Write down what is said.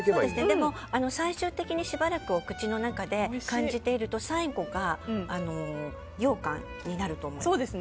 最終的にしばらくお口の中で感じていると最後がようかんになると思います。